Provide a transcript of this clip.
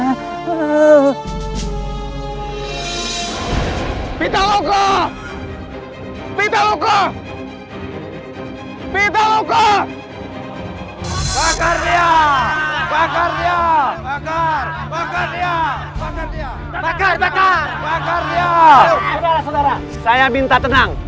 saudara saudara saya minta tenang